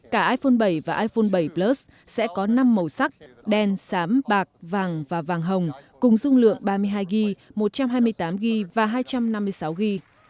cả iphone bảy và iphone bảy plus sẽ có năm màu sắc đen sám bạc vàng và vàng hồng cùng dung lượng ba mươi hai g một trăm hai mươi tám g và hai trăm năm mươi sáu g